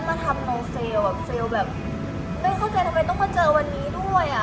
ไม่เข้าใจทำไมต้องมาเจอวันนี้ด้วย